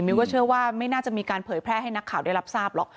ก็เชื่อว่าไม่น่าจะมีการเผยแพร่ให้นักข่าวได้รับทราบหรอก